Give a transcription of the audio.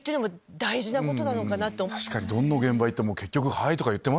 確かにどの現場行っても結局。